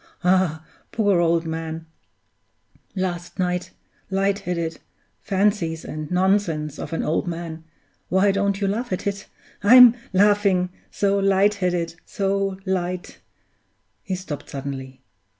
Ah, poor old man last night light headed fancies and nonsense of an old man why don't you laugh at it? I'm laughing so light headed, so light " He stopped suddenly.